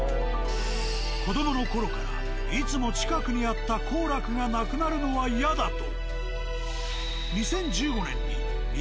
子供のころからいつも近くにあった「幸楽」がなくなるのは嫌だと。